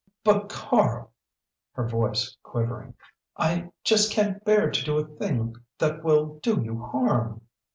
"But Karl," her voice quivering "I just can't bear to do a thing that will do you harm."